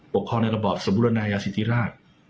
ปกครองในระบอบสมบูรณายาสิทธิราช